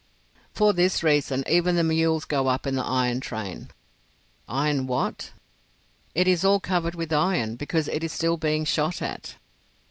"For this reason even the mules go up in the iron train." "Iron what?" "It is all covered with iron, because it is still being shot at."